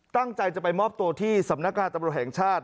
ตั้งใจจะไปมอบตัวที่สำนักการตำรวจแห่งชาติ